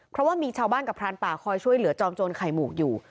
เพราะว่ามีชาวบ้านกับพรานป่าคอยช่วยเหลือจอมโจรไข่หมูกอยู่